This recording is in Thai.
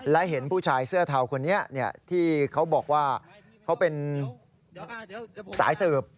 และเห็นผู้ชายเสื้อเทาคนนี้ที่เขาบอกว่าเขาเป็นสายสืบ